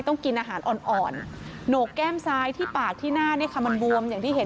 ต้องกินอาหารอ่อนโหนกแก้มซ้ายที่ปากที่หน้าเนี่ยค่ะมันบวมอย่างที่เห็น